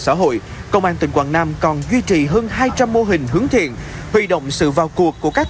xã hội công an tỉnh quảng nam còn duy trì hơn hai trăm linh mô hình hướng thiện huy động sự vào cuộc của các